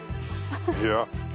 いや。